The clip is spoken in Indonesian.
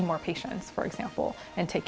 dan mengawasi lebih banyak pesakit